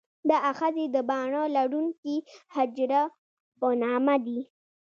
دا آخذې د باڼه لرونکي حجرو په نامه دي.